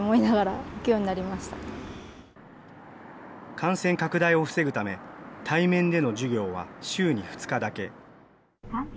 感染拡大を防ぐため、対面での授業は週に２日だけ。